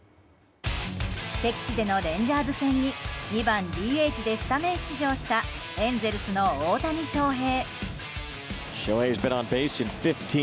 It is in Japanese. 敵地でのレンジャーズ戦に２番ＤＨでスタメン出場したエンゼルスの大谷翔平。